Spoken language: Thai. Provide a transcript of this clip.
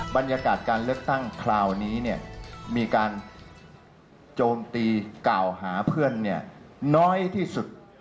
บรรยากาศการเลือกตั้งคราวนี้มีการโจมตีกล่าวหาเพื่อนน้อยที่สุด